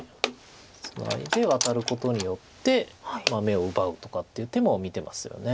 ツナいでワタることによって眼を奪うとかっていう手も見てますよね。